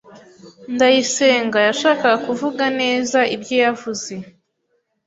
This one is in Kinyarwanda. Ndayisenga yashakaga kuvuga neza ibyo yavuze.